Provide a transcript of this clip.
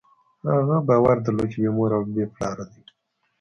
هغه باور درلود، چې بېمور او بېپلاره دی.